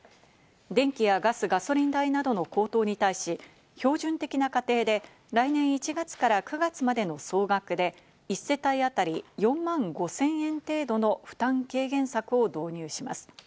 電気やガス、ガソリン代などの高騰に対し、標準的な家庭で来年１月から９月までの総額で１世帯あたり４万５０００円程度の負担軽減策を導入します。